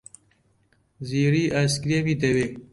زیری ئایسکرێمی دەوێت.